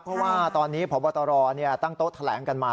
เพราะว่าตอนนี้พบตรตั้งโต๊ะแถลงกันมา